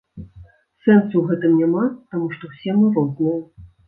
Сэнсу ў гэтым няма, таму што ўсе мы розныя.